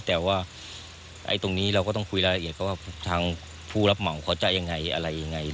แต่ว่าตรงนี้เราก็ต้องคุยรายละเอียดเขาว่าทางผู้รับเหมาเขาจะยังไงอะไรยังไง